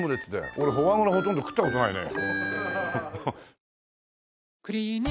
俺フォアグラほとんど食った事ないね。